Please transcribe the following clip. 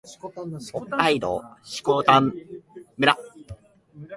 北海道色丹村